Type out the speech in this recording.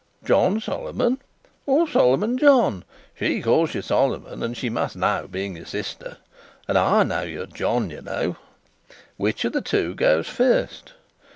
"John Solomon, or Solomon John? She calls you Solomon, and she must know, being your sister. And I know you're John, you know. Which of the two goes first?